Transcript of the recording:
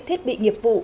thiết bị nghiệp vụ